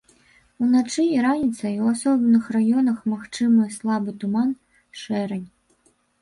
Уначы і раніцай у асобных раёнах магчымы слабы туман, шэрань.